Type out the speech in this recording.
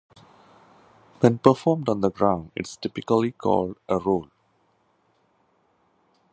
When performed on the ground it is typically called a roll.